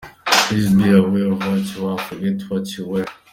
Plz be aware of what you are and forget what you were.